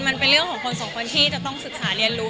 มันเป็นเรื่องของคนสองคนที่จะต้องศึกษาเรียนรู้